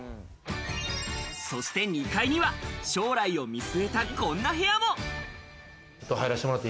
そして２階には将来を見据えた、こんな部屋も。